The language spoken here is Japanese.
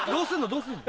どうすんの？